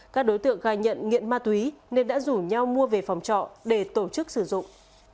các đối tượng gài nhận nghiện ma túy nên đã rủ nhau mua về phòng trọ để tổ chức sử dụng